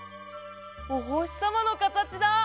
おほしさまのかたちだ！